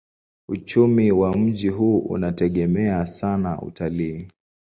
Uchumi wa mji huu unategemea sana utalii.